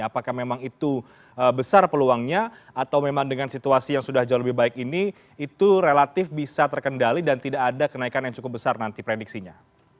apakah memang itu besar peluangnya atau memang dengan situasi yang sudah jauh lebih baik ini itu relatif bisa terkendali dan tidak ada kenaikan yang cukup besar nanti prediksinya